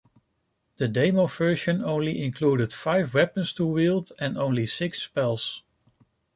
The demo version only included five weapons to wield and only six spells.